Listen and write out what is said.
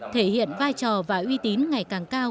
thể hiện vai trò và uy tín ngày càng cao